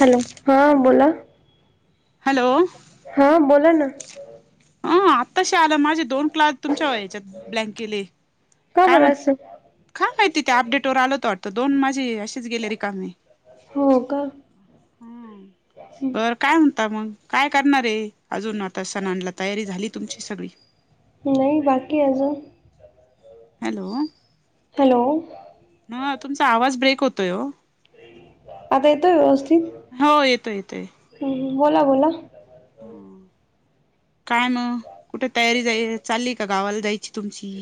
Hello हा बोला. Hello. हा बोला ना. अ आताश आलं माझे दोन. ला तुमच्या व याच्या ब्लँकेले काय का काय बरं म्हणतात. असं का काय तिथे अपडेट वर आल होत वाटं दोन माझी अशीच गेले र कामे गेले. हो का. बरं काय होणता मग काय करणारे अजून आता सण आणला तयारी झाली तुमची सगळी. नाही बाकी आज. हॅलो. हॅलो. मग तुमचा आवाज ब्रेक होतोय हो आता येतोय व्यवस्थित हो येतोय येतोय बोला बोला. काय म. कुठं तयारी जाय चालली का गावाला जायची तुमची‌.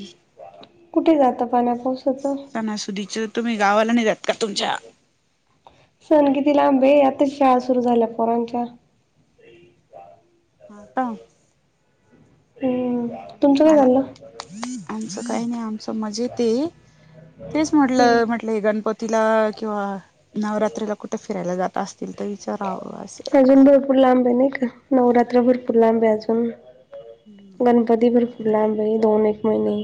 कुठे जातं पाण्या पावसाचं. सणासुदीचे. तुम्ही गावाला नाही जात का तुमच्या सण किती लांबा आहे आताच शाळा सुरू झाल्या पोरांच्य ह का हम्म तुमचं काय मला झालं [inaudible] आमचं काही नाही आमच मजेतेत तेच हम्म म्हटलं म्हटलं. आपले गणपतीला किंवा नवरात्रीला कुठे फिरायला जात असतील तर विचारावं असं. खूप लांबे नाही का नवरात्रभर पुूर लांबे अजून गणपती भर फुरला आंबाई दोन एक महिने.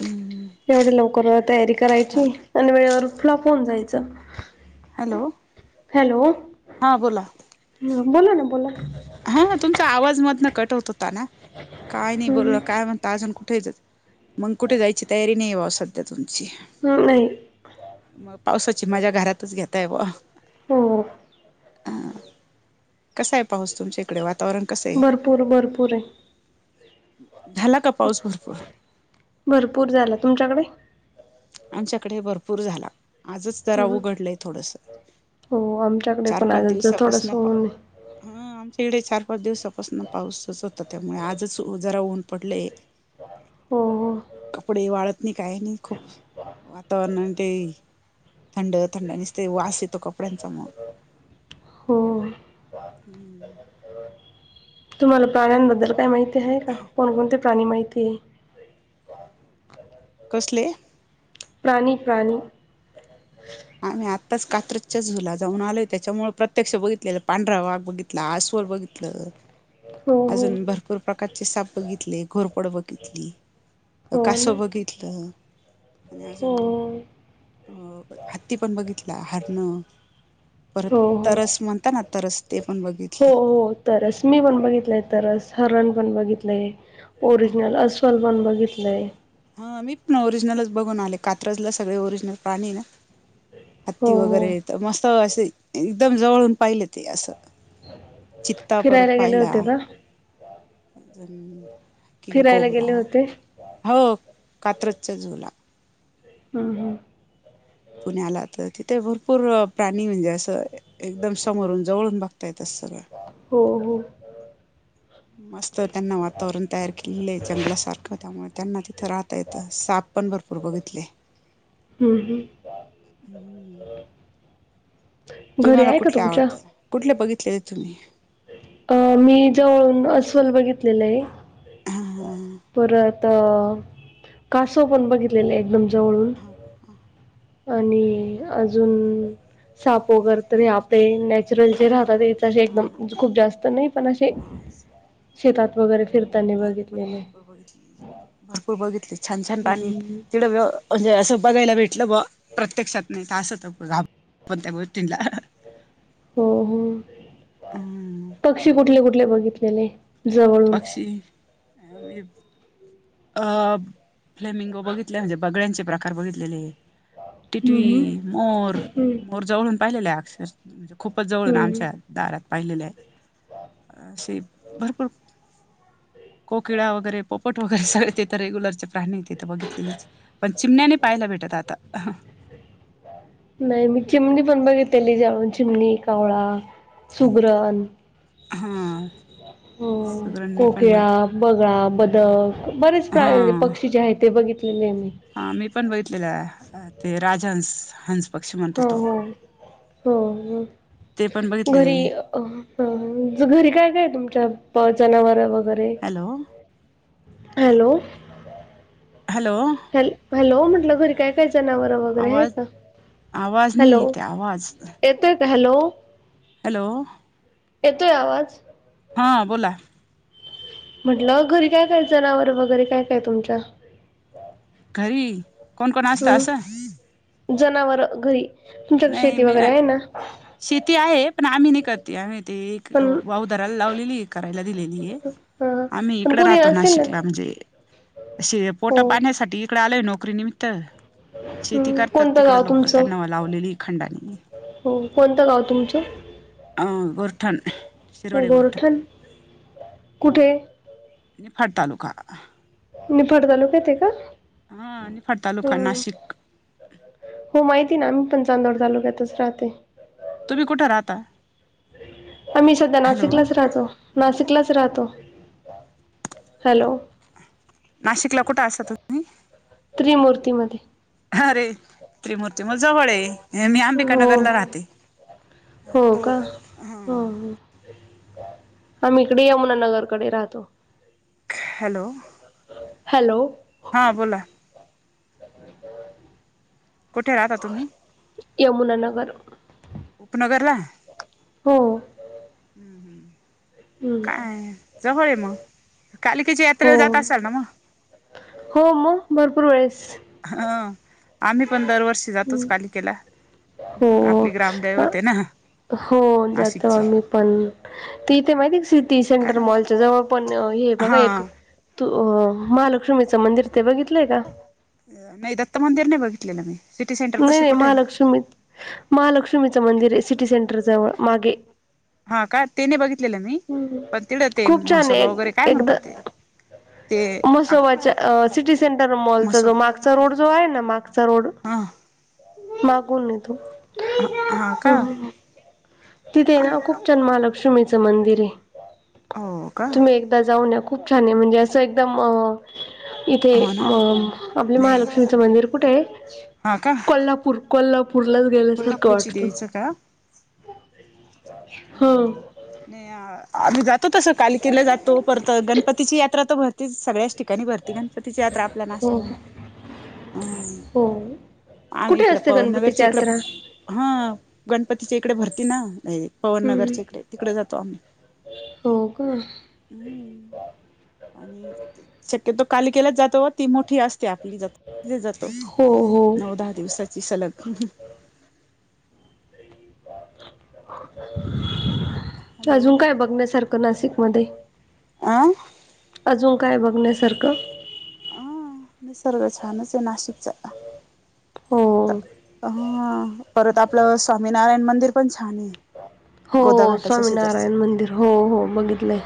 हम्म. एवढया लवकर तयारी करायची... अन वेळेवर फ्लॉप होऊन जायचं. हॅलो. हॅलो. हा बोला. हं... बोला न, बोला. हा... तुमचा आवाज मधनं कट होत होता ना... काय नई, हम्म बोला... काय म्हणता... अजून कुठं ये तुम्ही? मग कुठे जायची तयारी नाई बा, सध्या तुमची. हं नई. मग... पावसाची मजा, घरातच घेताय बुआ! हो. हा... कसा ए पाऊस तुमच्या इकडे, वातावरण? कसं आहे भरपूर, भरपूर ए. झाला का पाऊस भरपूर? भरपूर झाला... तुमच्याकडे? आमच्याकडे ही... भरपूर झाला. आजच जरा हम्म उघडलंय थोडसं... हो आमच्याकडे चार पण पाच आजच दिवसापासनं थोडंसं पा ऊन आहे हा... आमच्या इकडे चार पाच दिवसापासूनं पाऊसच होता... त्यामुळे आजच जरा ऊन पडलंय. हो कपडे वाळत नाई... काय नाई खूप. वातावरण ते... थंड थंड, निसते वास येतो, कपड्यांचा मग. हो हो हम्म. तुम्हाला प्राण्यांबद्दल काय माहिती हाये का? कोणकोणते प्राणी माहिती ए? कसले? प्राणी, प्राणी. आम्ही आत्ताच कात्रजच्या झू ला जाऊन आलोय त्याच्यामुळे प्रत्यक्ष बघितलेलं... पांढरा वाघ बघित -ला, अस्वल बघितलं. हो हो अजून भरपूर प्रकारचे साप बघितले, घोरपड बघितली. अं... हो ना कासव बघितलं, आणि हो अजून... हो अं हत्ती पण बघितला, हरणं परत, हो तरस म्हणता ना... तरस ते पण बघितलं. हो हो, तरस... मी पण बघितलंय तरस, हरण पण बघितलंय. ओरिजनल अस्वल पण बघितलंय. हं... मी पण ओरिजिनलच बघून आले. कात्रजला सगळे ओरिजिनल प्राणी हे ना. हो हत्ती वगैरे... हो तर मस्त असे, एकदम जवळून पाहिले, ते असं. चित्ता परत फिरायला गेले पाहिला. होते का फिरायला गेले किंगकोबरा... होते हो, कात्रजच्या झू ला. हम्म हम्म. पुण्याला तर... तिथं भरपूर प्राणी म्हणजे असं... एकदम समोरून, जवळून बघता -ता येतात सरळ. हो हो. मस्त... त्यांना वातावरण तयार केलेलं ए, त्यांना जंगलासारखं... त्यामुळे त्यांना ते तिथं राहता येतं. साप पण भरपूर बघितले. हू हू. हम्म. घरी तुम्हाला आहे का कुठले तुमच्या आवडतात? कुठले बघितलेले तुम्ही? अ मी जवळून अस्वल बघितलेलं आहे.. हा परत अ कासव पण बघितलेले एकदम जवळून हा आणि अजून साप वैगरे तरी आपले नॅचरल जे राहतात हा एकदम ना खूप जास्त नाही पणे हा शेतात वगैरे फिर आम्ही पण भरपूर बघितली भरपूर बघितली छान छान पाणी हम्म तिकड म्हणजे असं बघायला भेटलं बुवा प्रत्यक्षात नाही तर असंत पण त्या गोष्टींला हो हो हम्म पक्षी कुठले कुठले बघितलेले?? जवळून पक्षी? अ फ्लेमिंगो बघितले म्हणजे बगड्यांचे प्रकार बघितलेले आहे हम्म टिटवी मोर हम्म हम्म मोर जवळून पाहिलेले अक्षरशा म्हणजे खूपच जवळून हम्म आमच्यात दारात पाहिलेले आहे असे भरपूर कोकिळा वगैरे पोपट सगळे ते तर रेग्युलरचे प्राणी तिथ बघितलेले पण चिमण्याने पाहायला भेटत आता नाही मी चिमणी पण बघितलेली जवळून चिमणी, कावळा, सुगरण हां.. कोकिळा, बगळा, बदक बरेच हा प्राणी आणि पक्षी जे आहेत ते बघितलेले आहे मी हा मी पण बघितलेलं आहे ते राजहंस हंस पक्षी म्हणतो हो तो हो हो ते पण बघितले घरी- घरी काय काय तुमच्या जनावर वगैरे हॅलो हॅलो? हॅलो! हॅ हॅलो म्हटलं घरी काय काय जनावर? वगैरे हाय आवाज का? आवाज नाही हॅलो! येते आवाज येतो का? Hello hello! येतोय आवाज? हा बोला.. म्हटलं घरी काय काय जनावर वगैरे काय काय तुमच्या?? घरी कोण कोण असतं अस? हम्म जनावर घरी? तुमच्याकडे नाही शेती मी वगैरे आहे ना शेती आहे पण आम्ही नाही करते आम्ही ते पण वावदराला लावलेली करायला दिलेली आहे हा आम्ही पण इकड कोणी राहतो असेल ना नाशिकला म्हणजे पोटा हो पाण्यासाठी इकडे आलोय नोकरी निमित्त शेती करतात कोणतं तिकड गाव लोक तुमचं त्यांना लावलेली आहे हो कोणतं गाव तुमचं? अ गोरठाण.. गोर्ठन! कुठे? निफाड तालुका निफाड तालुक्यात आहे का? हा निफाड तालुका नाशिक हो माहिती ना मी पण चांदवड तालुक्यातच राहते तुम्ही कुठे राहता? आम्ही सध्या हॅलो नाशिकलाच राहतो नाशिकलाच राहतो.. हॅलो! नाशिकला कुठे असता तुम्ही? त्रिमूर्ती मध्ये अरे त्रिमूर्ती मग जवळ आहे मी अंबिका हो नगरला राहते. हो का हो आम्ही इकडे येऊना नगर कडे राहतो हॅलो हॅलो हा बोला कुठे राहता तुम्ही? यमुना नगर. उपनगर ला हो. [inaudible] हम्म. काय जवळ म कालिकेच्या हो यात्रेला जात असाल ना म हो म भरपूर वेळेस ह आम्ही पण दरवर्षी जातोच हम्म. कालिकेला हो आपली ह ग्रामदैवत आहे ना हो जातो नाशिकची आम्ही. पण ते इथे माहिती हाय का सिटी सेंटर मॉलच्या जवळ पण हे बघा एक हा तू अ महालक्ष्मीचं मंदिर ते बघितलंय का? नाही दत्त मंदिर नाही बघितलेलं मी. सिटी सेंटर नाही पशी नाही कुठे आहे महालक्ष्मी महालक्ष्मीचं मंदिर आहे सिटी सेंटर जवळ मागे. हा का ते नाय बघितलेल मी हम्म. पण तेवढं ते खूप छान आहे मसोबा वगैरे काय एकदा म्हणतात ते ते मसोबाच्या सिटी सेंटर मॉलचा म्हसो जो मागचा रोड जो आहे ना मागचा रोड हा मागून आहे तो हा हम का हम तिथे हाय ना खूप चन्मा लाग लक्ष्मीच मंदिर आहे हो का तुम्ही एक तर जाऊन या खूप छान आहे म्हणजे असं एकदम इथे हो म ना आपले नाही महालक्ष्मीचं मंदिर कुठे आहे. हा का. कोल्हापूर कोल्हापूरलाच गेल्यासारखं कोल्हापूरची वाटतं. देवीचं का हा. नाही आम्ही जातो तस कालिकेला जातो परत गणपतीची यात्रा तर भरतिच सगळ्याच ठिकाणी भरती गणपतिची यात्रा आपल्या नाशिक हो मधे हो आहे कुठे इकड असते गणपतीची पवननगरच्या इकड यात्रा? हा गणपतीच्या इकडे भरती ना हम्म पवनगरच्या इकडे तिकडे जातो आम्ही हो का. हम आणि शक्यतो कालीकेलाच जातो ती मोठी असत्या तिकडे जातो तिथेच जातो हो हो. नऊ दहा दिवसाची सलग हॅलो अजून काय हाय बघण्यासारखं नाशिक मध्ये? आ अजून काय हाय बघण्यासारखं? ह निसर्ग छानच हाय नाशिकचा होय. हा परत आपलं स्वामीनारायण मंदिर पण छान आहे. हो गोदा हो घाटाच्या शेजारचं स्वामीनारायण मंदिर हो हो ह बघितलंय.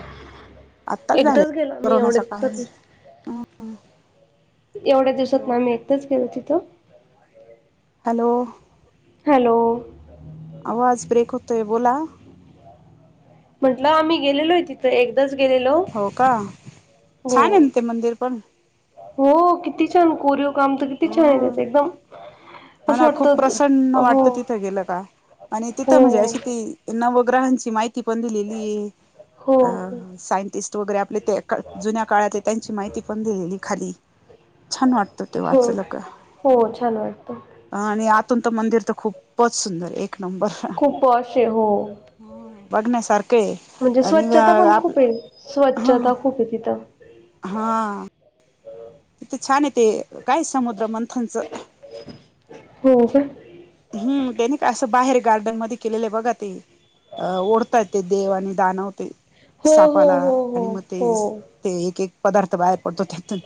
आत्ताच झाले एकदाच गेलो मी येवढ्या कोरोनाच्या काळात दिवसातून एवढ्या दिवसात हॅलो मॅम एकदाच गेलो तिथं हॅलो हॅलो आवाज ब्रेक होतोय बोला म्हटलं आम्ही गेलेलो आहे तिथं एक एकदाच गेलेलो हो का छान आहे होय. ना ते मंदिर पण हो किती छान कोरिओ काम तर किती छान आहे एकदम हा असं ना खूप वाटतं प्रसन्न हो वाटतं तिथं गेलं का आणि तिथं हो म्हणजे अशी ती नवग्रहांची माहिती पण दिलेली आहे. हो हा हा. साई इस्टो वगैरे आपल ते क जुन्या काळात त्यांची माहिती पण दिलेली आहे खाली. छान वाटत ते हो हो छान वाटतं. ह आणि आतून तर मंदिर तर खूपच सुंदर एक नंबर खूप अशे हो. हम बघण्यासारख आहे. म्हणजे आणि स्वच्छता पण आप खूप आहे स्वच्छता खूप आहे तिथं. हां. [inaudible] किती छान आहे ते अ काय समुद्र मंथनचं. हो का? हम्म ते नहि का असं बाहेर गार्डनमध्ये केलेलं आहे बघा ते. अ ओढतात ते देव आणि दानव ते हो हो सापाला हो आणि मग हो तेच हो ते एक-एक पदार्थ बाहेर पडतो त्यातून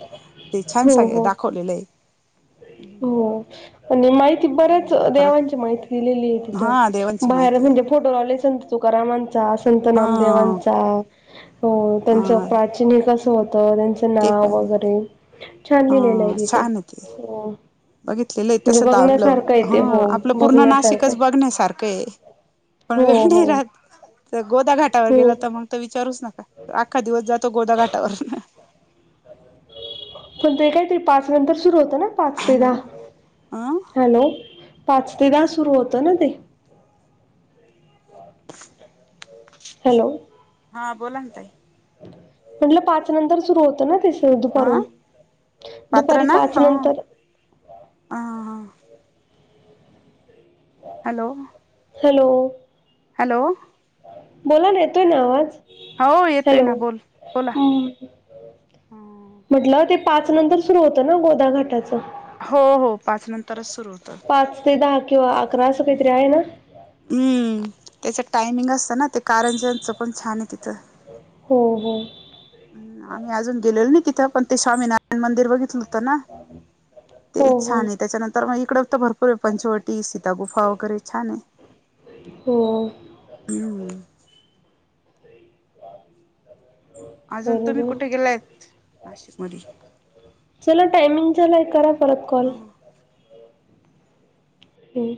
ते छान हो सांग हो दाखवलेले आहे. हो आणि माहिती बऱ्याच आहे परत देवांची माहिती दिलेली आहे हा तिथं देवांची बाहेर माहिती आहे म्हणजे फोटो लावले संत तुकारामांचा संत हा नामदेवांचा हो अ त्यांचं प्राचीन हे कसं होतं त्यांचं ते नाव पण वगैरे छान लिहिलेलं आहे हा तिथे. [inaudible] हो बघितलेलं आहे म्हणजे तसं आपलं बघण्यासारखं येते हो हम्म आपलं पूर्ण बघण्यासारखं नाशिकच आहे बघण्यासारखं आहे. पण हो वेळ नाही हो राहत. त्या गोदा घाटावर हो गेला तर मग. तर विचारूच नका अख्खा दिवस जातो गोदा घाटावर. पण ते काहीतरी पाच नंतर सुरू होतं ना पाच ते हॅलो अं दहा हॅलो? पाच ते दहा सुरू होतं ना ते? [inaudible] हॅलो? हां बोला ना ताई? म्हटलं पाच नंतर सुरू होतो ना तो शो हा दुपारून? पात्र दुपारी ना पाच हा नंतर ह ह हॅलो? हॅलो? हॅलो? बोला ना येतोय ना आवाज हो येतोय हॅलो? ना बोल बोला हम्म. म्हटलं ते पाच नंतर सुरू होतं ना गोदा घाटाचं? हो हो पाच नंतरच सुरू होतं. पाच ते दहा किंवा अकरा असं काहीतरी आहे ना? हम्म त्याचं टायमिंग असतं ना ते कारंज्यांच पण छान आहे तिथं. हो हो. अम्म आम्ही अजून गेलेलो नाही तिथं पण ते स्वामी नारयण मंदिर बघितलो हो त ना ते हो छान हो आहे त्याच्यानंतर मग इकडं तर भरपूर आहे पंचवटी, सीता गुफा वगैरे छान आहे. हो हम्म. अजून तुम्ही बरोबर कुठे गेला आहेत नाशिकमध्ये? चला टायमिंग झालं आहे करा परत कॉल. हम्म